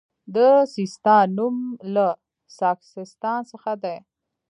د سیستان نوم له ساکستان څخه دی